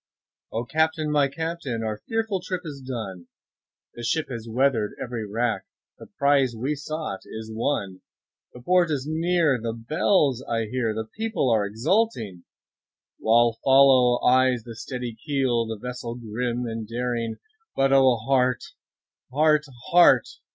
O CAPTAIN! my Captain! our fearful trip is done, The ship has weather'd every rack, the prize we sought is won, The port is near, the bells I hear, the people all exulting, While follow eyes the steady keel, the vessel grim and daring; But O heart! heart! heart!